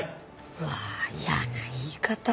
うわあ嫌な言い方。